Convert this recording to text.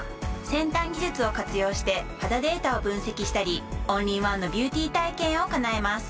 先端技術を活用して肌データを分析したりオンリーワンのビューティー体験を叶えます。